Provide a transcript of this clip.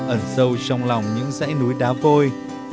ẩn sâu trong lòng những dãy núi đá vôi